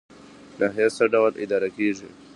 ناحیه څه ډول اداره کیږي؟